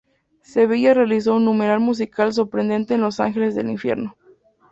Sevilla realiza un número musical sorprendente con los Ángeles del Infierno.